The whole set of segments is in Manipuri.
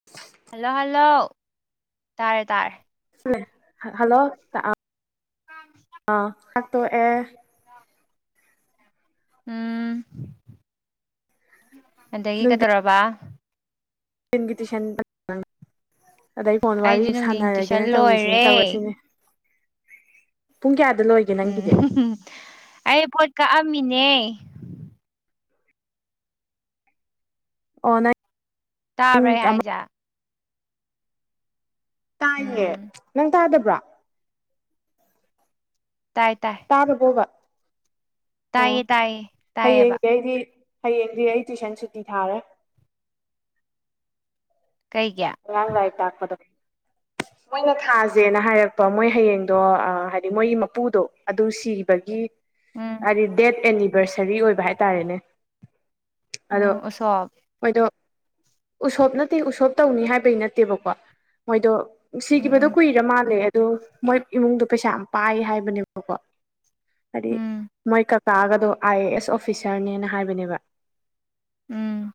[unintelligible] ꯍꯜꯂꯣ ꯍꯜꯂꯣ ꯇꯥꯔꯦ ꯇꯥꯔꯦ ꯍꯜꯂꯣ [unintelligible] ꯑ ꯑꯠꯇꯣ ꯑꯦ ꯎꯝ ꯑꯗꯒꯤ ꯀꯩꯗꯧꯔꯕ ꯒꯤꯇ ꯁꯥꯟ [inaudible] ꯑꯗꯩ ꯀꯣꯟ ꯋꯥꯔꯤ ꯑꯩꯁꯨ ꯅꯨꯡꯊꯤꯟ ꯇꯨꯏꯁꯟ ꯁꯥꯟꯅꯔꯒꯦꯅ ꯇꯧꯔꯤꯁꯤꯅꯦ ꯂꯣꯏꯔꯦ ꯇꯧꯔꯁꯤꯅꯦ ꯄꯨꯡ ꯀꯌꯥꯗ ꯂꯣꯏ ꯎꯝ ꯑꯩ ꯄꯣꯠ ꯀꯛꯑꯝꯃꯤꯅꯦ ꯑꯣꯅ ꯇꯥꯕ꯭ꯔꯥ ꯑꯩ ꯍꯥꯏꯁꯦ ꯇꯥꯏꯌꯦ ꯎꯝ ꯅꯪ ꯇꯥꯗꯕ꯭ꯔꯥ ꯇꯥꯏ ꯇꯥꯏ ꯆꯥꯕ ꯀꯣꯕ ꯑꯣ ꯇꯥꯏꯌꯦ ꯇꯥꯏꯌꯦ ꯇꯥꯏꯌꯦꯕ ꯍꯌꯦꯡꯗꯤ ꯑꯩꯗꯤ ꯍꯌꯦꯡꯗꯤ ꯑꯩ ꯇꯨꯏꯁꯟ ꯁꯨꯇꯤ ꯊꯥꯔꯦ ꯀꯩꯒꯤ ꯑꯉꯥꯡ ꯂꯥꯏꯔꯤꯛ ꯇꯛꯄꯗꯣ ꯃꯣꯏꯅ ꯊꯥꯁꯦꯅ ꯍꯥꯏꯔꯛꯄ ꯃꯣꯏ ꯍꯌꯦꯡꯗꯣ ꯍꯥꯏꯗꯤ ꯃꯣꯏ ꯃꯄꯨꯗꯣ ꯑꯗꯨ ꯁꯤꯕꯒꯤ ꯎꯝ ꯍꯥꯏꯗꯤ ꯗꯦꯠ ꯑꯦꯅꯤꯚꯔꯁꯔꯤ ꯑꯣꯏꯕ ꯍꯥꯏ ꯇꯔꯦꯅꯦ ꯑꯗꯣ ꯎꯝ ꯎꯁꯣꯞ ꯃꯣꯏꯗꯣ ꯎꯁꯣꯞ ꯅꯠꯇꯦ ꯎꯁꯣꯞ ꯇꯧꯅꯤ ꯍꯥꯏꯕꯒꯤ ꯅꯠꯇꯦꯕꯀꯣ ꯃꯣꯏꯗꯣ ꯎꯝ ꯁꯤꯒꯤꯕꯗꯣ ꯎꯝ ꯀꯨꯏꯔ ꯃꯥꯜꯂꯦ ꯑꯗꯨ ꯃꯣꯏ ꯏꯃꯨꯡꯗꯣ ꯄꯩꯁꯥ ꯌꯥꯝ ꯄꯥꯏ ꯍꯥꯏꯕꯅꯦꯕꯀꯣ ꯍꯥꯏꯗꯤ ꯎꯝ ꯃꯣꯏ ꯀꯛ ꯇꯥꯛꯒꯗꯣ ꯑꯥꯏ ꯑꯦ ꯑꯦꯁ ꯑꯣꯐꯤꯁꯥꯔꯅꯦꯅ ꯍꯥꯏꯕꯅꯦꯕ ꯎꯝ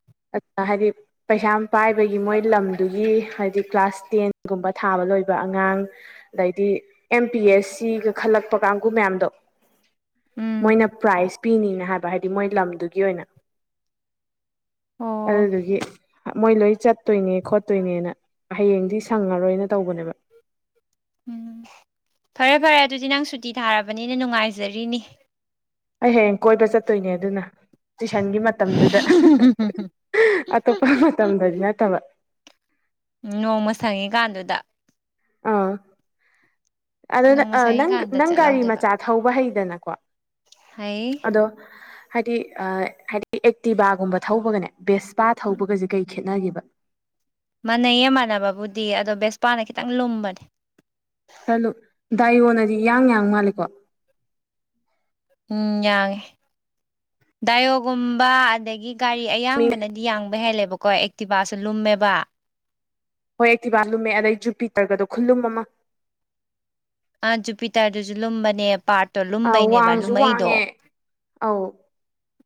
ꯍꯥꯏꯗꯤ ꯄꯩꯁꯥ ꯑꯃ ꯄꯥꯏꯕꯒꯤ ꯃꯣꯏ ꯂꯝꯗꯨꯒꯤ ꯍꯥꯏꯗꯤ ꯀ꯭ꯂꯥꯁ ꯇꯦꯟꯒꯨꯝꯕ ꯊꯥꯕ ꯂꯣꯏꯕ ꯑꯉꯥꯡ ꯑꯗꯩꯗꯤ ꯑꯦꯝ ꯄꯤ ꯑꯦꯁ ꯁꯤꯒ ꯈꯜꯂꯛꯄ ꯀꯥꯡꯕꯨꯨ ꯃꯌꯥꯝꯗꯣ ꯎꯝ ꯃꯣꯏꯅ ꯄ꯭ꯔꯥꯏꯖ ꯄꯤꯅꯤꯅ ꯍꯥꯏꯕ ꯍꯥꯏꯗꯤ ꯃꯣꯏ ꯂꯝꯗꯨꯒꯤ ꯑꯣꯏꯅ ꯑꯣ ꯑꯗꯨꯒꯤ ꯃꯣꯏ ꯂꯣꯏ ꯆꯠ ꯈꯣꯠꯇꯣꯏꯅꯦ ꯈꯣꯠꯇꯣꯏꯅꯦꯅ ꯍꯌꯦꯡꯗꯤ ꯁꯪꯉꯔꯣꯏꯅ ꯇꯧꯕꯅꯦꯕ ꯎꯝ ꯐꯔꯦ ꯐꯔꯦ ꯑꯗꯨꯗꯤ ꯅꯪ ꯁꯨꯇꯤ ꯊꯥꯔꯕꯅꯤꯅ ꯅꯨꯡꯉꯥꯏꯖꯔꯤꯅꯤ ꯑꯩ ꯍꯌꯦꯡ ꯀꯣꯏꯕ ꯆꯠꯇꯣꯏꯅꯦ ꯑꯗꯨꯅ ꯇꯨꯏꯁꯟꯒꯤ ꯃꯇꯝꯗꯨꯗ ꯑꯇꯣꯞꯄ ꯃꯇꯝꯗꯗꯤ ꯅꯠꯇꯕ ꯎ ꯅꯣꯡꯃ ꯁꯪꯉꯤ ꯀꯥꯟꯗꯨꯗ ꯑꯥ ꯑꯗꯣ ꯅꯣꯡꯃ ꯅꯪ ꯁꯪꯉꯤꯀꯥꯟꯗ ꯅꯪ ꯒꯥꯔꯤ ꯆꯠꯍꯧꯗꯣꯏꯕ ꯃꯆꯥ ꯊꯧꯕ ꯍꯩꯗꯅꯀꯣ ꯍꯩ ꯑꯗꯣ ꯍꯥꯏꯗꯤ ꯍꯥꯏꯗꯤ ꯑꯦꯛꯇꯤꯚꯒꯨꯝꯕ ꯊꯧꯕꯒꯅꯦ ꯕꯦꯁꯄꯥ ꯎꯝ ꯊꯧꯕꯒꯁꯦ ꯀꯩ ꯈꯦꯠꯅꯈꯤꯕ ꯃꯥꯟꯅꯩꯌꯦꯃꯥꯟꯅꯕꯕꯨꯗꯤ ꯑꯗꯣ ꯕꯦꯁꯄꯥꯅ ꯈꯤꯇꯪ ꯂꯨꯝꯕꯅꯦ ꯈꯔ ꯂꯨ ꯗꯥꯏꯌꯣꯟꯅꯗꯤ ꯌꯥꯡ ꯌꯥꯡ ꯃꯥꯜꯂꯦꯀꯣ ꯎꯝ ꯌꯥꯡꯉꯦ ꯗꯥꯏꯌꯑꯣꯒꯨꯝꯕ ꯑꯗꯒꯤ ꯒꯥꯔꯤ ꯃꯤ ꯑꯌꯥꯡꯕꯅꯗꯤ ꯌꯥꯡꯕ ꯍꯦꯜꯂꯦꯕꯀꯣ ꯑꯦꯛꯇꯤꯚꯁꯨ ꯂꯨꯝꯃꯦꯕ ꯍꯣꯏ ꯑꯩ ꯇꯤꯕꯥ ꯂꯨꯝꯃꯦ ꯑꯗꯩ ꯖꯨꯄꯤ ꯇꯔꯒꯗꯣ ꯈꯨꯜꯂꯨꯝ ꯑꯃ ꯑ ꯖꯨꯄꯤꯇꯔꯗꯨꯁꯨ ꯂꯨꯝꯕꯅꯦ ꯄꯥꯔꯠ ꯇꯣ ꯑ ꯂꯨꯝꯕꯩꯅꯦꯕ ꯋꯥꯡꯁꯨ ꯂꯨꯝꯃꯛꯩꯗꯣ ꯋꯥꯡꯉꯦ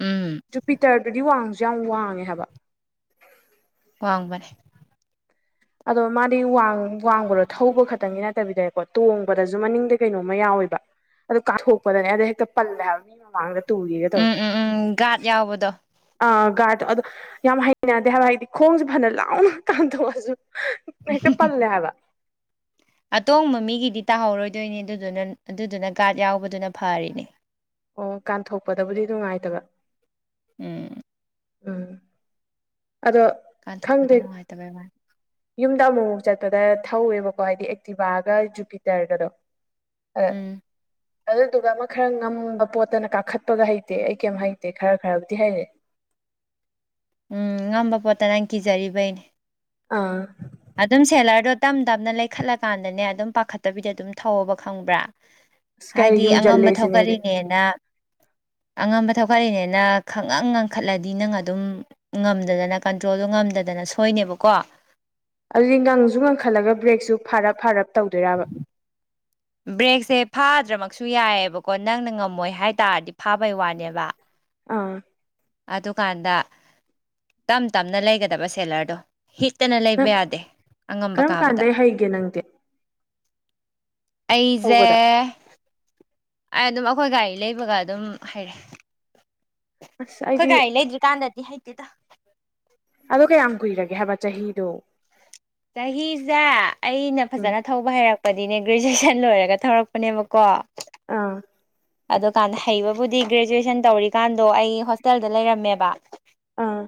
ꯎꯝ ꯨ ꯄꯤꯇꯔꯗꯨꯗꯤ ꯋꯥꯡꯁꯨ ꯌꯥꯝ ꯋꯥꯡꯉꯦ ꯍꯥꯏꯕ ꯋꯥꯡꯕꯅꯦ ꯑꯗꯣ ꯃꯥꯗꯤ ꯋꯥꯡꯕꯔꯣ ꯊꯧꯕ ꯈꯛꯇꯪꯒꯤ ꯅꯠꯇꯕꯤꯗꯏꯦꯀꯣ ꯇꯣꯡꯕꯗꯁꯨ ꯃꯅꯤꯡꯗ ꯀꯩꯅꯣꯝꯃ ꯌꯥꯎꯋꯕ ꯑꯗꯨ ꯀꯥꯊꯣꯛꯄꯗꯅꯦ ꯑꯗ ꯍꯦꯛꯇ ꯄꯜꯂꯦꯕ ꯃꯤ ꯃꯃꯥꯡꯗ ꯇꯨꯒꯦꯒ ꯇꯧꯋꯦ ꯎꯝ ꯎꯝ ꯎꯝ ꯒꯥꯥꯗ ꯌꯥꯎꯕꯗꯣ ꯑꯥ ꯒꯥꯔꯗꯣ ꯑꯗꯣ ꯌꯥꯝ ꯍꯩꯅꯗꯦ ꯍꯥꯏꯕ ꯍꯥꯏꯗꯤ ꯈꯣꯡꯁꯨꯦ ꯐꯅ ꯂꯥꯎꯅ ꯇꯥꯟꯊꯣꯛꯑꯁꯨ ꯍꯦꯛꯇ ꯄꯜꯂꯌꯥꯕ ꯑꯇꯣꯡꯕ ꯃꯤꯒꯤꯗꯤ ꯇꯥꯍꯧꯔꯣꯏꯗꯣꯏꯅꯦ ꯑꯗꯨꯗꯨꯅ ꯑꯗꯨꯗꯨꯅ ꯒꯥꯔꯗ ꯌꯥꯎꯕꯗꯨꯅ ꯐꯔꯤꯅꯦ ꯑꯣ ꯀꯥꯟꯊꯣꯛꯄꯗꯕꯨꯗꯤ ꯅꯨꯡꯉꯥꯏꯇꯕ ꯎꯝ ꯎꯝ ꯑꯗꯣ ꯀꯥꯟꯊꯣꯛꯄꯗ ꯈꯪꯗꯦ ꯅꯨꯡꯉꯥꯏꯇꯕ ꯃꯥꯜꯂꯦ ꯌꯨꯝꯗ ꯑꯃꯨꯛꯃꯨꯛ ꯆꯠꯄꯗ ꯊꯧꯋꯦꯕꯀꯣ ꯍꯥꯏꯗꯤ ꯑꯦꯛꯇꯤꯚꯒ ꯖꯨꯄꯤꯇꯔꯒꯗꯣ ꯑꯣ ꯎꯝ ꯑꯗꯨꯗꯨꯒ ꯑꯃ ꯈꯔ ꯉꯝꯕ ꯄꯣꯠꯇꯅ ꯀꯥꯈꯠꯄꯒ ꯍꯩꯇꯦ ꯑꯩ ꯀꯩꯝ ꯍꯩꯇꯦ ꯈꯔ ꯈꯔꯕꯨꯗꯤ ꯍꯩꯔꯦ ꯎꯝ ꯉꯝꯕ ꯄꯣꯠꯇ ꯅꯪ ꯀꯤꯖꯔꯤꯕꯩꯅꯦ ꯑꯥ ꯑꯗꯨꯝ ꯁꯦꯂꯔꯗꯣ ꯇꯞ ꯇꯞꯅ ꯂꯩꯈꯠꯂꯀꯥꯟꯗꯅꯦ ꯑꯗꯨꯝ ꯄꯥꯈꯠꯇꯕꯤꯗ ꯑꯗꯨꯝ ꯊꯧꯕ ꯈꯪꯕ꯭ꯔꯥ ꯀꯥꯏ ꯌꯨꯝꯖꯜꯂꯦꯁꯤꯅꯦꯔ ꯍꯦꯅ [unintelligible] ꯑꯉꯝꯕ ꯊꯧꯒꯠꯂꯤꯅꯦꯅ ꯈꯪꯉꯪ ꯉꯟꯈꯠꯂꯗꯤ ꯅꯪ ꯑꯗꯨꯝ ꯉꯝꯗꯗꯅ ꯀꯟꯇ꯭ꯔꯣꯜꯗꯣ ꯉꯝꯗꯗꯅ ꯁꯣꯏꯅꯦꯕꯀꯣ ꯑꯗꯨꯗꯤ ꯉꯪꯁꯨ ꯉꯪꯈꯠꯂꯒ ꯕ꯭ꯔꯦꯛꯁꯨ ꯐꯥꯔꯞ ꯐꯥꯔꯞ ꯇꯧꯗꯣꯏꯕ ꯕ꯭ꯔꯦꯛꯁꯦ ꯐꯥꯗ꯭ꯔꯃꯛꯁꯨ ꯌꯥꯏꯑꯕꯀꯣ ꯅꯪꯅ ꯉꯝꯃꯣꯏ ꯍꯥꯏ ꯇꯔꯗꯤ ꯐꯥꯕꯩ ꯋꯥꯅꯦꯕ ꯑꯥ ꯑꯗꯨꯀꯥꯟꯗ ꯇꯞ ꯇꯞꯅ ꯂꯩꯒꯗꯕ ꯁꯦꯂꯔꯗꯣ ꯍꯤꯠꯇꯅ ꯂꯩꯕ ꯅꯪ ꯌꯥꯗꯦ ꯑꯉꯝꯕ ꯀꯔꯝ ꯀꯥꯕꯗ ꯀꯥꯟꯗꯩ ꯍꯩꯒꯦ ꯅꯪꯗꯦ ꯑꯩꯖꯦ ꯊꯧꯕꯗ ꯑꯩ ꯑꯗꯨꯝ ꯑꯩꯈꯣꯏ ꯒꯥꯔꯤ ꯂꯩꯕꯒ ꯑꯗꯨꯝ ꯍꯩꯔꯦ ꯑꯁ ꯑꯩꯈꯣꯏ ꯑꯩꯗꯤ ꯒꯥꯔꯤ ꯂꯩꯗ꯭ꯔꯤꯀꯥꯟꯗꯗꯤ ꯍꯩꯇꯦꯗ ꯑꯗꯣ ꯀꯌꯥꯝ ꯀꯨꯏꯔꯒꯦ ꯍꯥꯏꯕ ꯆꯍꯤꯗꯣ ꯆꯍꯤꯁꯦ ꯑꯩꯅ ꯎꯝ ꯐꯖꯅ ꯊꯧꯕ ꯍꯩꯔꯛꯄꯗꯤꯅꯦ ꯒ꯭ꯔꯦꯖꯨꯑꯦꯁꯟ ꯂꯣꯏꯔꯒ ꯊꯧꯔꯛꯄꯅꯦꯕꯀꯣ ꯑꯥ ꯑꯗꯨꯀꯥꯟꯗ ꯍꯩꯕꯕꯨꯗꯤ ꯒ꯭ꯔꯦꯖꯨꯋꯦꯁꯟ ꯇꯧꯔꯤꯀꯥꯟꯗꯣ ꯑꯩ ꯍꯣꯁꯇꯦꯜꯗ ꯂꯩꯔꯝꯃꯦꯕ ꯑꯥ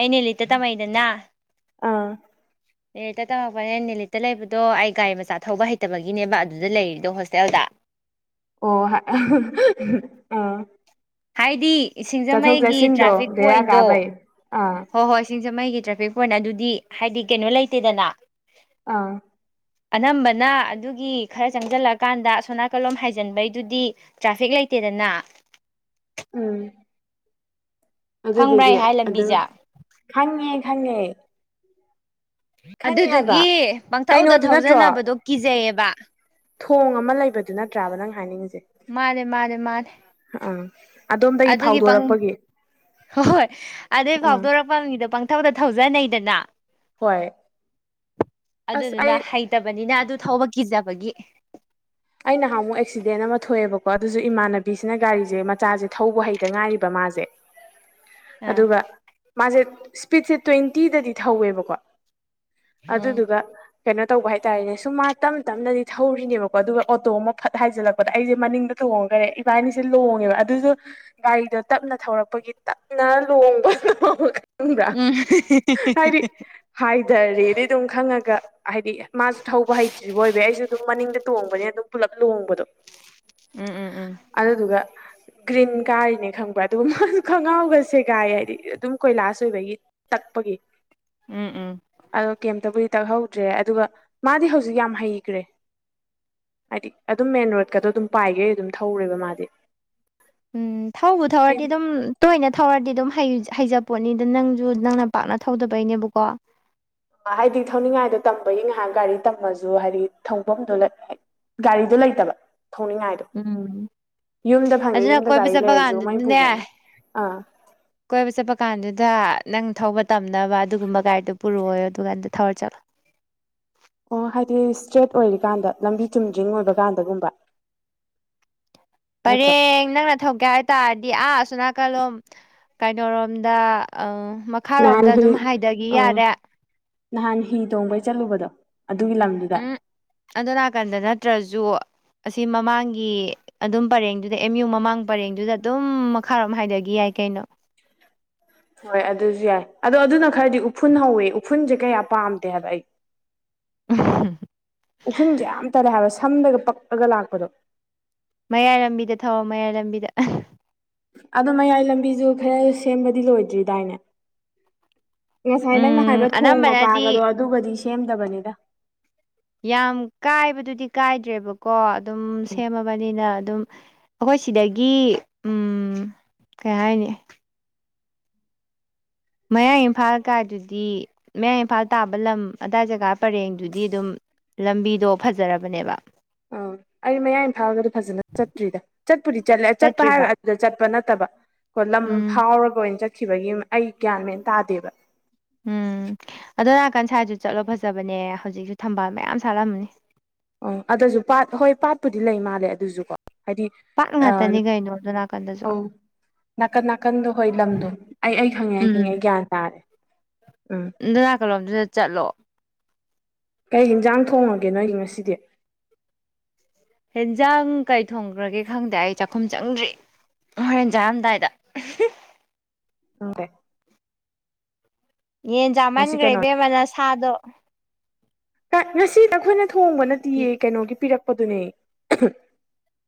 ꯑꯅꯦ ꯂꯩ ꯇ ꯇꯃꯥꯏꯗꯅꯥ ꯑꯥ ꯅꯦꯂꯤꯠꯇ ꯇꯧꯔꯛꯄꯅꯦ ꯅꯦꯂꯤꯠꯇ ꯂꯩꯕꯗꯣ ꯑꯩ ꯒꯥꯔꯤ ꯃꯆꯥ ꯊꯧꯕ ꯍꯩꯇꯕꯒꯤꯅꯦꯕ ꯑꯗꯨꯗ ꯂꯩꯔꯤꯗꯣ ꯍꯣꯁꯇꯦꯜꯗ ꯑꯣ ꯑ ꯍꯥꯏꯗꯤ ꯆꯠꯊꯣꯛ ꯁꯤꯡꯖꯃꯩꯒꯤ ꯆꯁꯤꯟꯗꯣ ꯇ꯭ꯔꯥꯐꯤꯛ ꯕꯦꯔꯥ ꯄꯣꯏꯟꯗꯣ ꯀꯥꯕꯩ ꯑ ꯍꯣꯏ ꯍꯣꯏ ꯁꯤꯡꯖꯃꯩꯒꯤ ꯇ꯭ꯔꯥꯐꯤꯛ ꯄꯣꯏꯟ ꯑꯗꯨꯗꯤ ꯍꯥꯏꯗꯤ ꯀꯩꯅꯣ ꯂꯩꯇꯦꯗꯅ ꯑꯥ ꯑꯅꯝꯕꯅ ꯑꯗꯨꯒꯤ ꯈꯔ ꯆꯪꯖꯜꯂꯛꯀꯥꯟꯗ ꯑꯁꯣꯅꯥꯀꯂꯣꯝ ꯍꯥꯏꯖꯟꯕꯩꯗꯨꯗꯤ ꯇ꯭ꯔꯥꯐꯤꯛ ꯂꯩꯇꯦꯗꯅ ꯎꯝ ꯈꯪꯕ꯭ꯔꯥ ꯑꯩ ꯑꯗꯨꯗꯨꯒꯤ ꯍꯥꯏ ꯑꯗꯨ ꯂꯝꯕꯤꯁꯦ ꯈꯪꯉꯦ ꯈꯪꯉꯦ ꯈꯪꯉꯦ ꯍꯥꯏꯕ ꯑꯗꯨꯗꯨꯒꯤ ꯄꯪꯊꯧꯧꯗ ꯀꯩꯅꯣꯗꯨ ꯅꯠꯇ꯭ꯔꯣ ꯊꯧꯖꯅꯕꯗꯣ ꯀꯤꯖꯩꯌꯦꯕ ꯊꯣꯡ ꯑꯃ ꯂꯩꯕꯗꯨ ꯅꯠꯇ꯭ꯔꯥꯕ ꯅꯪ ꯍꯥꯏꯅꯤꯡꯉꯤꯁꯦ ꯃꯥꯅꯦ ꯃꯥꯅꯦ ꯃꯥꯅꯦ ꯑꯥ ꯑꯗꯣꯝꯗꯒꯤ ꯑꯗꯨꯒꯤ ꯄ ꯍꯣꯏ ꯐꯥꯎꯗꯣꯔꯛꯄꯒꯤ ꯍꯣꯏ ꯑꯗꯨꯏ ꯑꯥ ꯐꯥꯎꯗꯣꯔꯛꯄ ꯃꯤꯗ ꯄꯪꯊꯧꯗ ꯊꯧꯖꯅꯩꯗꯅ ꯍꯣꯏ ꯑꯁ ꯑꯗꯨꯗꯨꯅ ꯑꯩ ꯍ ꯐꯠꯇꯕꯅꯤꯅ ꯑꯗꯨ ꯊꯧꯕ ꯀꯤꯖꯕꯒꯤ ꯑꯩ ꯅꯍꯥꯟ ꯑꯃꯨꯛ ꯑꯦꯛꯁꯤꯗꯦꯟ ꯑꯃ ꯊꯣꯛꯑꯦꯕꯀꯣ ꯑꯗꯨꯁꯨ ꯏꯃꯥꯟꯅꯕꯤꯁꯤꯅ ꯒꯥꯔꯤꯁꯦ ꯃꯆꯥꯁꯦ ꯊꯧꯕ ꯍꯩꯇ ꯉꯥꯏꯔꯤꯕ ꯃꯥꯁꯦ [unintelligible] ꯑꯥ ꯑꯗꯨꯒ ꯃꯥꯁꯦ ꯏꯁꯄꯤꯠꯁꯦ ꯇ꯭ꯋꯦꯟꯇꯤꯗꯗꯤ ꯊꯧꯋꯦꯕꯀꯣ ꯎꯝ ꯑꯗꯨꯗꯨꯒ ꯀꯩꯅꯣ ꯇꯧꯕ ꯍꯥꯏꯇꯥꯔꯦꯅꯦ ꯁꯨꯝ ꯃꯥ ꯇꯞ ꯇꯞꯅꯗꯤ ꯊꯧꯔꯤꯅꯦꯕꯀꯣ ꯣ ꯑꯗꯨꯒ ꯑꯣꯇꯣ ꯑꯃ ꯐꯠ ꯍꯥꯏꯖꯤꯜꯂꯛꯄꯗ ꯑꯩꯁꯦ ꯃꯅꯤꯡꯗ ꯊꯣꯡꯉꯒꯔꯦ ꯏꯕꯥꯏꯅꯤꯁꯦ ꯂꯣꯡꯉꯦꯕ ꯑꯗꯨꯁꯨ ꯒꯥꯔꯤꯗꯣ ꯇꯞꯅ ꯊꯧꯔꯛꯄꯒꯤ ꯇꯞꯅ ꯂꯨꯍꯕ ꯂ ꯎꯗ ꯑꯔꯤ ꯍꯥꯏꯊꯔꯦ ꯑꯗꯨ ꯑꯗꯨꯝ ꯈꯪꯉꯒ ꯍꯥꯏꯗꯤ ꯃꯥꯁꯨ ꯊꯧꯕ ꯍꯩꯇ꯭ꯔꯤꯕ ꯑꯣꯏꯕ ꯑꯩꯁꯨ ꯑꯗꯨꯝ ꯃꯅꯤꯡꯗ ꯇꯣꯡꯕꯅꯦ ꯑꯗꯨꯝ ꯄꯨꯂꯞ ꯂꯣꯡꯕꯗꯣ ꯑꯗꯨꯗꯨꯒ ꯒ꯭ꯔꯤꯟ ꯀꯥꯔꯤꯅꯦ ꯈꯪꯕ ꯑꯗꯨꯒ ꯈꯣꯡꯒꯥꯎꯒ ꯁꯦꯒꯥꯏ ꯍꯥꯏꯗꯤ ꯑꯗꯨꯝ ꯀꯈꯣꯏ ꯂꯥꯁ ꯑꯣꯏꯕꯒꯤ ꯇꯛꯄꯒꯤ ꯎꯝ ꯎꯝ ꯑꯗꯣ ꯀꯩꯝꯇꯕꯨꯗꯤ ꯇꯛꯍꯧꯗ꯭ꯔꯦ ꯑꯗꯨꯒ ꯃꯥꯗꯤ ꯍꯧꯖꯤꯛ ꯌꯥꯝ ꯍꯩꯈ꯭ꯔꯦ ꯍꯥꯏꯗꯤ ꯑꯗꯨꯝ ꯃꯦꯟ ꯔꯣꯗꯀꯗꯣ ꯑꯗꯨꯝ ꯄꯥꯏꯒꯦꯩ ꯑꯗꯨꯝ ꯊꯧꯔꯦꯕ ꯃꯥꯗꯤ ꯎꯝ ꯊꯧꯕ ꯊꯧꯔꯗꯤ ꯑꯗꯨꯝ ꯇꯣꯏꯅ ꯊꯧꯔꯗꯤ ꯑꯗꯨꯝ ꯍꯩꯖꯄꯣꯠꯅꯤꯗ ꯅꯪꯁꯨ ꯅꯪꯅ ꯄꯥꯛꯅ ꯊꯧꯗꯕꯩꯅꯦꯕꯀꯣ ꯍꯥꯏꯗꯤ ꯊꯧꯅꯤꯡꯉꯥꯏꯗ ꯇꯝꯕꯒꯤ ꯉꯥꯏꯍꯥꯛ ꯒꯥꯔꯤ ꯇꯝꯃꯁꯨ ꯍꯥꯏꯗꯤ ꯊꯧꯐꯝꯗꯣ ꯒꯥꯔꯤꯗꯨꯣ ꯂꯩꯇꯕ ꯊꯧꯅꯤꯡꯉꯥꯏ ꯎꯝ ꯌꯨꯝꯗ ꯐꯪꯉꯤ ꯑꯗꯨꯅ ꯌꯨꯝꯗ ꯀꯣꯏꯕ ꯒꯥꯔꯤ ꯆꯠꯄ ꯂꯩꯔꯁꯨ ꯃꯥꯏ ꯀꯥꯟꯗꯨꯗꯅꯦ ꯄꯨꯈ꯭ꯔꯅꯤ ꯑꯥ ꯀꯣꯏꯕ ꯆꯠꯄ ꯀꯥꯟꯗꯨꯗ ꯅꯪ ꯊꯧꯕ ꯇꯝꯅꯕ ꯑꯗꯨꯒꯨꯝꯕ ꯒꯥꯔꯤꯗꯨꯣ ꯄꯨꯔꯛꯑꯣ ꯑꯗꯨꯒ ꯀꯥꯟꯗ ꯊꯧꯔ ꯆꯠꯂꯣ ꯑꯣ ꯍꯥꯏꯗꯤ ꯏꯁꯇ꯭ꯔꯦꯠ ꯑꯣꯏꯔꯤꯀꯥꯟꯗ ꯂꯝꯕꯤ ꯆꯨꯝꯗ꯭ꯔꯤꯡ ꯑꯣꯏꯕ ꯀꯥꯟꯗꯒꯨꯝꯕ ꯅꯠꯇ꯭ꯔꯣ ꯐꯔꯦꯡ ꯅꯪꯅ ꯊꯧꯒꯦ ꯍꯥꯏ ꯇꯥꯔꯗꯤ ꯑꯥ ꯑꯁꯣ ꯅꯥꯀꯜꯂꯣꯝ ꯀꯩꯅꯣꯔꯣꯝꯗ ꯅꯍꯥꯟ ꯈꯥꯔꯣꯝꯗ ꯍꯤ ꯑꯗꯨꯝ ꯍꯥꯏꯊꯈꯤ ꯑꯥ ꯌꯥꯔꯦ ꯅꯍꯥꯟ ꯍꯤ ꯇꯣꯡꯕꯩ ꯆꯠꯂꯨꯕꯗꯣ ꯑꯗꯨꯒꯤ ꯂꯪ ꯎꯝ ꯑꯗꯣ ꯅꯥꯀꯟꯗ ꯅꯠꯇ꯭ꯔꯁꯨ ꯑꯁꯤ ꯃꯃꯥꯡꯒꯤ ꯑꯗꯨꯝ ꯄꯔꯦꯡꯗꯨꯗ ꯑꯦꯝ ꯌꯨ ꯃꯃꯥꯡ ꯄꯔꯦꯡꯗꯨꯗ ꯑꯗꯨꯝ ꯃꯈꯥꯔꯣꯝ ꯍꯥꯏꯗꯒꯤ ꯌꯥꯏ ꯀꯩꯅꯣ ꯍꯣꯏ ꯑꯗꯨꯖꯨ ꯌꯥꯏ ꯑꯗꯣ ꯑꯗꯨꯅ ꯈꯔꯗꯤ ꯎꯐꯨꯟ ꯍꯧꯋꯦ ꯎꯐꯨꯟꯖꯦ ꯀꯌꯥ ꯄꯥꯝꯗꯦ ꯍꯥꯏꯕ ꯑꯩ ꯎꯐꯨꯟꯖꯦ ꯌꯥꯝ ꯇꯜꯂꯦ ꯍꯥꯏꯕ ꯁꯝꯗꯒ ꯄꯛꯑꯒ ꯂꯥꯛꯄꯗꯣ ꯃꯌꯥꯏ ꯂꯝꯕꯤꯗ ꯊꯧꯋꯣ ꯃꯌꯥꯏ ꯂꯝꯕꯤꯗ ꯑꯗꯣ ꯃꯌꯥꯏ ꯂꯝꯕꯤꯖꯨ ꯈꯔ ꯁꯦꯝꯕꯗꯤ ꯂꯣꯏꯗ꯭ꯔꯤꯗꯥꯏꯅꯦ ꯉꯁꯥꯏ ꯅꯪꯅ ꯎꯝ ꯍꯥꯏꯕ ꯊꯣꯡ ꯑꯅꯝꯕꯅꯗꯤ ꯃꯄꯥꯒꯗꯣ ꯑꯗꯨꯒꯗꯤ ꯁꯦꯝꯗꯕꯅꯤꯗ ꯌꯥꯝ ꯀꯥꯏꯕꯗꯨꯗꯤ ꯀꯥꯏꯗ꯭ꯔꯦꯕꯀꯣ ꯑꯗꯨꯝ ꯁꯦꯝꯃꯕꯅꯤꯅ ꯑꯗꯨꯝ ꯑꯩꯈꯣꯏ ꯁꯤꯗꯒꯤ ꯎꯝ ꯀꯩ ꯍꯥꯏꯅꯤ ꯃꯌꯥꯡ ꯏꯝꯐꯥꯜ ꯀꯥꯏꯗꯨꯗꯤ ꯃꯌꯥꯡ ꯏꯝꯐꯥꯜ ꯇꯥꯕ ꯂꯝ ꯑꯗꯥꯏ ꯖꯒꯥ ꯄꯔꯦꯡꯗꯨꯗꯤ ꯑꯗꯨꯝ ꯂꯝꯕꯤꯗꯣ ꯐꯖꯔꯕꯅꯦꯕ ꯑ ꯑꯩ ꯃꯌꯥꯏ ꯏꯝꯐꯥꯜꯒꯗꯤ ꯐꯖꯅ ꯆꯠꯇ꯭ꯔꯤꯗ ꯆꯠꯄꯨꯗꯤ ꯆꯠꯂꯦ ꯆꯠꯄ ꯍꯥꯏꯔ ꯆꯠꯇ꯭ꯔꯤꯕ ꯑꯗꯨꯗ ꯆꯠꯄ ꯅꯠꯇꯕ ꯀꯣ ꯂꯝ ꯎꯝ ꯐꯥꯎꯔꯒ ꯑꯣꯏꯅ ꯆꯠꯈꯤꯕꯒꯤ ꯑꯩ ꯒ꯭ꯌꯥꯟ ꯃꯦꯟ ꯇꯥꯗꯦꯕ ꯎꯝ ꯑꯗꯣ ꯅꯥꯀꯟ ꯁꯥꯏꯠꯆꯨ ꯆꯠꯂꯣ ꯐꯖꯕꯅꯦ ꯍꯧꯖꯤꯛꯁꯨ ꯊꯝꯕꯥꯜ ꯃꯌꯥꯝ ꯁꯥꯠꯂꯝꯃꯅꯤ ꯑ ꯑꯗꯨꯖꯨ ꯄꯥꯠ ꯍꯣꯏ ꯄꯥꯠꯄꯨꯗꯤ ꯂꯩ ꯃꯥꯜꯂꯦ ꯑꯗꯨꯖꯨ ꯀꯣ ꯄꯥꯠ ꯉꯥꯛꯇꯅꯤ ꯀꯩꯅꯣ ꯑꯗꯨ ꯅꯥꯀꯟꯗꯖꯨ ꯑꯧ ꯅꯥꯀꯟ ꯅꯥꯀꯟꯗꯣ ꯍꯣꯏ ꯂꯝꯗꯣ ꯑꯩ ꯑꯩ ꯈꯪꯉꯦ ꯑꯩ ꯈꯪꯉꯦ ꯎꯝ ꯑꯩ ꯒ꯭ꯌꯥꯟ ꯇꯥꯔꯦ ꯎꯝ ꯑꯗꯨ ꯅꯥꯀꯟꯂꯣꯝꯗꯨꯗ ꯆꯠꯂꯣ ꯀꯩ ꯏꯤꯟꯖꯥꯡ ꯊꯣꯡꯉꯒꯦ ꯅꯣꯏꯒꯤ ꯉꯁꯤꯗꯤ ꯍꯦꯟꯖꯥꯡ ꯀꯩ ꯊꯣꯡꯈ꯭ꯔꯒꯦ ꯈꯪꯗꯦ ꯑꯩ ꯆꯥꯛꯈꯨꯝ ꯆꯪꯗ꯭ꯔꯤ ꯍꯣꯔꯦꯟ ꯆꯥꯔꯝꯗꯥꯏꯗ [unintelligible] ꯌꯦꯟ ꯉꯁꯤ ꯆꯥꯝꯃꯟꯒ꯭ꯔꯦ ꯀꯩꯅꯣ ꯏꯕꯦꯝꯃ ꯅꯁꯥꯗꯣ ꯉꯁꯤ ꯅꯈꯣꯏꯅ ꯊꯣꯡꯕ ꯅꯠꯇꯤꯌꯦ ꯀꯩꯅꯣꯒꯤ ꯄꯤꯔꯛꯄꯗꯨꯅꯦ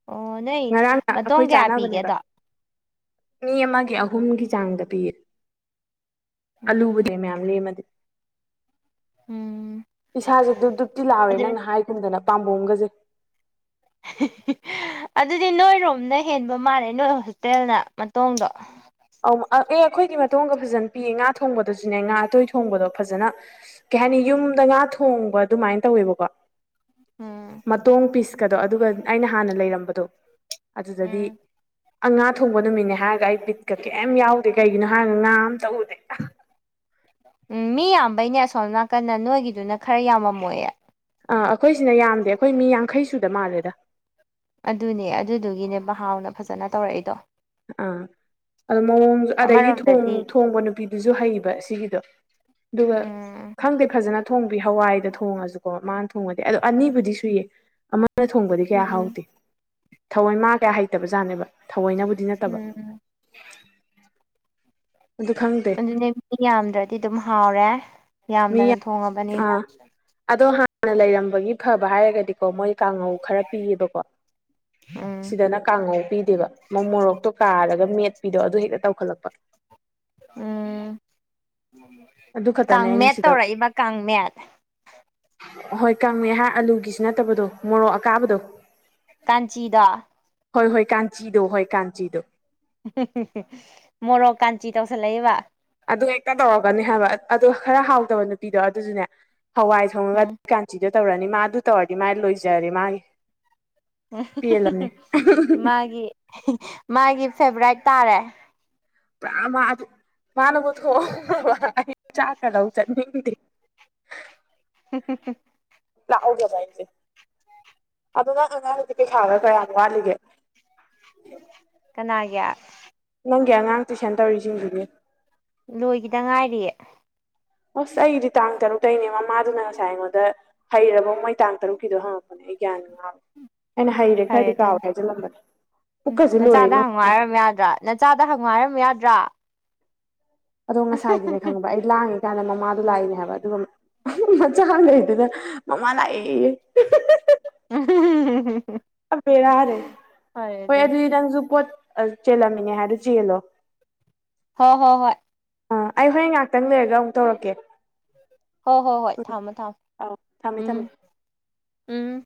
ꯑꯣ ꯅꯣꯏ ꯉꯔꯥꯡꯅ ꯃꯇꯣꯡ ꯑꯩꯈꯣꯏ ꯀꯌꯥ ꯆꯥꯅꯕꯅꯦꯕ ꯄꯤꯒꯦꯗꯣ ꯃꯤ ꯑꯃꯒꯤ ꯑꯍꯨꯝꯒꯤ ꯆꯥꯡꯗ ꯄꯤꯌꯦ ꯎꯝ ꯑꯂꯨꯕꯨꯗꯤ ꯃꯌꯥꯝ ꯂꯦꯝꯃꯗꯤ ꯎꯝ ꯏꯁꯥꯖꯦ ꯗꯨꯞ ꯗꯨꯞꯇꯤ ꯂꯥꯎꯔꯦ ꯑꯗꯨ ꯅꯪꯅ ꯍꯥꯏꯒꯨꯝꯗꯅ ꯄꯥꯝꯕꯣꯝꯒꯖꯦ ꯑꯗꯨꯗꯤ ꯅꯣꯏꯔꯣꯝꯅ ꯍꯦꯟꯕ ꯃꯥꯜꯂꯦ ꯅꯣꯏ ꯍꯣꯁꯇꯦꯜꯅ ꯃꯇꯣꯡꯗꯣ ꯑꯧ ꯑ ꯑꯦ ꯑꯩꯈꯣꯏꯗꯤ ꯃꯇꯣꯡꯒ ꯐꯖꯅ ꯄꯤꯌꯦ ꯉꯥ ꯊꯣꯡꯕꯗꯁꯨꯅꯦ ꯉꯥ ꯑꯇꯣꯏ ꯊꯣꯡꯕꯗꯣ ꯐꯖꯅ ꯀꯩ ꯍꯥꯏꯅꯤ ꯌꯨꯝꯗ ꯉꯥ ꯊꯣꯡꯕ ꯑꯗꯨꯃꯥꯏꯟ ꯇꯧꯋꯦꯕꯀꯣ ꯎꯝ ꯇꯣꯡ ꯄꯤꯁꯀꯗꯣ ꯑꯗꯨꯒ ꯑꯩꯅ ꯍꯥꯟꯅ ꯂꯩꯔꯝꯕꯗꯣ ꯑꯗꯨꯗꯗꯤ ꯎꯝ ꯑ ꯉꯥ ꯊꯣꯡꯕ ꯅꯨꯃꯤꯠꯅꯦ ꯍꯥꯏꯔꯒ ꯑꯩ ꯕꯤꯠꯀ ꯀꯩꯝ ꯌꯥꯎꯗꯦ ꯀꯩꯒꯤꯅꯣ ꯍꯥꯏꯔꯒ ꯉꯥ ꯑꯃꯇ ꯎꯗꯦ ꯎꯝ ꯃꯤ ꯌꯥꯝꯕꯩꯅꯦ ꯑꯁꯣꯝ ꯅꯥꯀꯟꯗ ꯅꯣꯏꯒꯤꯗꯨꯅ ꯈꯔ ꯌꯥꯝꯃꯝꯃꯣꯏꯌꯦ ꯑꯥ ꯑꯩꯈꯣꯏꯁꯤꯅ ꯌꯥꯝꯗꯦ ꯑꯩꯈꯣꯏ ꯃꯤ ꯌꯥꯡꯈꯩ ꯁꯨꯗ ꯃꯥꯜꯂꯦꯗ ꯑꯗꯨꯅꯦ ꯑꯗꯨꯗꯨꯒꯤꯅꯦꯕ ꯍꯥꯎꯅ ꯐꯖꯅ ꯇꯧꯔꯛꯏꯗꯣ ꯑꯥ ꯑꯗꯣ ꯃꯑꯣꯡ ꯑꯗꯩꯗꯤ ꯊꯣꯡ ꯑꯃꯔꯣꯝꯗꯗꯤ ꯊꯣꯡꯕ ꯅꯨꯄꯤꯗꯨꯖꯨ ꯍꯩꯕ ꯁꯤꯒꯤꯗꯣ ꯑꯗꯨꯒ ꯎꯝ ꯈꯪꯗꯦ ꯐꯖꯅ ꯊꯣꯡꯕꯤ ꯍꯋꯥꯏꯇ ꯊꯣꯡꯉꯖꯨꯀꯣ ꯃꯥꯅ ꯊꯣꯡꯉꯗꯤ ꯑꯗꯣ ꯑꯅꯤꯕꯨꯗꯤ ꯁꯨꯏꯌꯦ ꯑꯃ ꯑꯗꯨꯅ ꯊꯣꯡꯕꯗꯤ ꯀꯌꯥ ꯎꯝ ꯍꯥꯎꯇꯦ ꯊꯑꯣꯏ ꯃꯥ ꯀꯌꯥ ꯍꯩꯇꯕꯖꯥꯠꯅꯦꯕ ꯊꯑꯣꯏꯅꯕꯨꯗꯤ ꯅꯠ ꯎꯝ ꯎꯝ ꯑꯗꯨ ꯈꯪ ꯑꯗꯨꯅꯦ ꯃꯤ ꯌꯥꯝꯗ꯭ꯔꯗꯤ ꯑꯗꯨꯝ ꯍꯥꯎꯔꯦ ꯃꯤ ꯌꯥꯝꯗꯅ ꯊꯣꯡꯉꯕꯅꯤꯅ ꯑꯥ ꯑꯗꯣ ꯍꯥꯟꯅ ꯂꯩꯔꯝꯕꯒꯤ ꯐꯕ ꯍꯥꯏꯔꯒꯗꯤ ꯀꯣ ꯃꯣꯏ ꯀꯥꯡꯉꯧ ꯈꯔ ꯄꯤꯌꯦꯕꯀꯣ ꯎꯝ ꯁꯤꯗꯅ ꯀꯥꯡꯉꯧ ꯄꯤꯗꯦꯕ ꯃ ꯃꯣꯔꯣꯛꯇꯣ ꯀꯥꯔꯒ ꯃꯦꯠꯄꯤꯗꯣ ꯑꯗꯨ ꯍꯦꯛꯇ ꯇꯧꯈꯠꯂꯛꯄ ꯎꯝ ꯑꯗꯨ ꯈꯛꯇꯅꯦ ꯑꯩꯅ ꯀꯥꯡꯃꯦꯠ ꯁꯤꯗ ꯇꯧꯔꯛꯏꯕ ꯀꯥꯡꯃꯦꯠ ꯍꯣꯏ ꯀꯥꯡꯃꯦꯠ ꯍꯥꯏꯔ ꯑꯂꯨꯒꯤꯁꯨ ꯅꯠꯇꯕꯗꯣ ꯃꯣꯔꯣꯛ ꯑꯀꯥꯕꯗꯣ ꯀꯥꯟꯆꯤꯗꯣ ꯍꯣꯏ ꯍꯣꯏ ꯀꯥꯟꯆꯤꯗꯣ ꯍꯣꯏ ꯀꯥꯟꯆꯤꯗꯣ ꯃꯣꯔꯣꯛ ꯀꯥꯟꯆꯤ ꯇꯧꯁꯜꯂꯛꯏꯕ ꯑꯗꯨ ꯍꯦꯛꯇ ꯇꯧꯔꯒꯅꯤ ꯍꯥꯏꯕ ꯑꯗꯨ ꯈꯔ ꯍꯥꯎꯗꯕ ꯅꯨꯄꯤꯗꯣ ꯑꯗꯨꯁꯨꯅꯦ ꯍꯋꯥꯏ ꯊꯣꯡꯉꯒ ꯎꯝ ꯑꯗꯨ ꯀꯥꯟꯆꯤꯗ ꯇꯧꯔꯅꯤ ꯃꯥ ꯑꯗꯨ ꯇꯧꯔꯗꯤ ꯃꯥꯥꯏ ꯂꯣꯏꯖꯔꯦ ꯃꯥꯒꯤ ꯄꯦꯜꯂꯝꯅꯦ ꯃꯥꯒꯤ ꯃꯥꯒꯤ ꯐꯦꯚꯔꯥꯏꯠ ꯇꯥꯔꯦ ꯭ꯔꯝ ꯑꯗꯨ ꯃꯥꯅꯃꯗꯨ ꯍ ꯆꯥ ꯀꯧ ꯆ ꯅꯤꯡꯗꯤ ꯎꯝ ꯎꯝ ꯎ ꯂꯥꯛꯍꯧꯒꯦꯕ ꯑꯁꯦ ꯑꯗꯨꯣ ꯅꯪ ꯑꯉꯥꯡꯗꯤ ꯄꯩꯁꯥꯒ ꯀꯌꯥꯝ ꯋꯥꯠꯂꯤꯒꯦ ꯀꯅꯥꯒꯤ ꯅꯪꯒꯤ ꯑꯉꯥꯡ ꯇꯨꯏꯁꯟ ꯇꯧꯔꯤꯁꯤꯡꯗꯨꯅꯦ ꯂꯣꯏꯈꯤꯗ ꯉꯥꯏꯔꯤꯌꯦ ꯑꯣꯁ ꯑꯩꯗꯤ ꯇꯥꯡ ꯇꯔꯨꯛꯇꯩꯒꯤꯅꯦ ꯃꯃꯥꯗꯨꯅ ꯉꯁꯥꯏꯉꯣꯟꯗ ꯍꯩꯔꯕꯥꯎ ꯃꯩ ꯇꯥꯡ ꯇꯔꯨꯛꯀꯤꯗꯣ ꯍꯪꯉꯄꯅꯦ ꯑꯩ ꯒꯌꯥꯟꯉꯦ ꯑꯩꯅ ꯍꯩꯔꯦ ꯐꯔꯦ ꯈꯔꯗꯤ ꯑꯗꯨ ꯀꯥꯎꯋꯦ ꯍꯥꯏꯖꯤꯜꯂꯝꯕꯅꯦ ꯄꯨꯛꯀꯁꯤ ꯂꯣꯏꯔꯦ ꯅ ꯍꯪꯉꯥꯏꯔꯝ ꯌꯥꯗ꯭ꯔꯥ ꯅꯆꯥꯗ ꯍꯪꯉꯥꯏꯔꯝ ꯌꯥꯗ꯭ꯔꯥ ꯑꯗꯣ ꯉꯁꯥꯏꯒꯤꯅꯦ ꯈꯪꯕ ꯑꯩ ꯂꯥꯡꯉꯤ ꯀꯥꯟꯗ ꯃꯃꯥꯗꯣ ꯎꯝ ꯂꯥꯛꯏꯅꯦ ꯍꯥꯏꯕ ꯑꯗꯨꯒ ꯃꯆꯥ ꯑꯃ ꯂꯩꯗꯨꯅ ꯃꯃꯥ ꯂꯥꯛꯑꯦ ꯎꯝ ꯐꯦꯔ ꯍꯔꯦ ꯐꯔꯦ ꯑꯗꯨꯗꯤ ꯍꯗꯤ ꯅꯪꯁꯨ ꯄꯣꯠ ꯆꯦꯜꯂꯝꯃꯤꯅꯦ ꯍꯥꯏꯗꯣ ꯆꯦꯜꯂꯣ ꯍꯣꯏ ꯍꯣ ꯍꯣꯏ ꯑꯥ ꯑꯩ ꯍꯣꯔꯦꯟ ꯉꯥꯏꯍꯥꯛꯇꯪ ꯂꯩꯔꯒ ꯑꯃꯨꯛ ꯇꯧꯔꯛꯀꯦ ꯍꯣꯏ ꯍꯣꯏ ꯍꯣꯏ ꯊꯝꯃꯣ ꯊꯝꯃꯣ ꯑꯧ ꯊꯝꯃꯦ ꯊꯝꯃꯦ ꯎꯝ ꯎꯝ